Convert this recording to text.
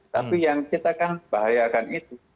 tapi yang kita kan bahayakan itu